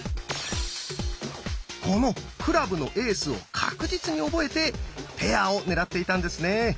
このクラブのエースを確実に覚えてペアを狙っていたんですね。